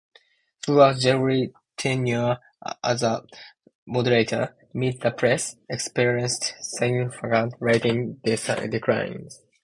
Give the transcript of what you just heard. Throughout Gregory's tenure as moderator, "Meet the Press" experienced significant ratings declines.